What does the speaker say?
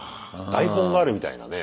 台本があるみたいなね。